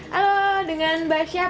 halo dengan mbak siapa